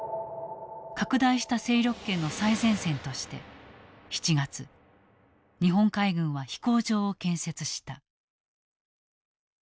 拡大した勢力圏の最前線として７月日本海軍は飛行場を建設した。